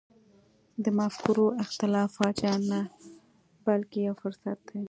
د مفکورو اختلاف فاجعه نه بلکې یو فرصت دی.